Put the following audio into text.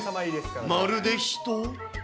まるで人？